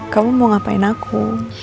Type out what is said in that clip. kamu mau ngapain aku